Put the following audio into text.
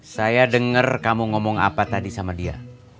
saya dengar kamu ngomong apa tadi sama dia